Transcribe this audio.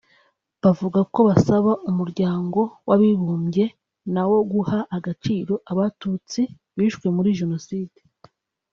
yavuze ko basaba Umuryango w’Abibumbye nawo guha agaciro Abatutsi bishwe muri Jenoside